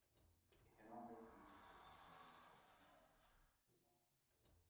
It cannot make any decision whether the "closer" model is the true model.